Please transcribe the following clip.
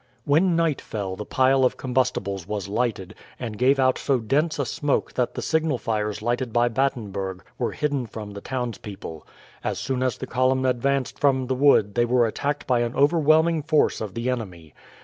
When night fell the pile of combustibles was lighted, and gave out so dense a smoke that the signal fires lighted by Batenburg were hidden from the townspeople. As soon as the column advanced from the wood they were attacked by an overwhelming force of the enemy.